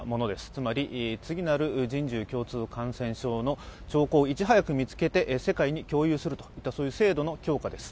つまり次なる人獣共通感染症の兆候をいち早く見つけて世界に共有するといった制度の強化です。